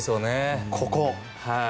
ここ。